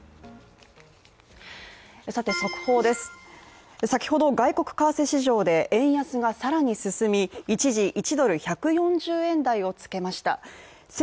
速報です、先ほど外国為替市場で円安が更に進み、一時１ドル＝１４０円台をつけました。